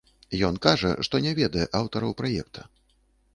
Ён кажа, што не ведае аўтараў праекта.